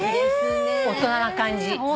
大人な感じ。